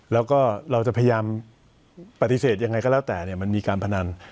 แล้วก็เราจะพยายามปฏิเสธยังไงก็แล้วแต่มันมีการพนัน